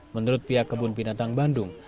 menurut pihak kebun binatang bandung